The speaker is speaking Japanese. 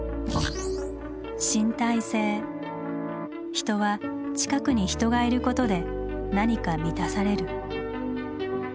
人は近くに人がいることで何か満たされる。